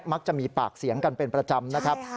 มักจะมีปากเสียงกันเป็นประจำนะครับ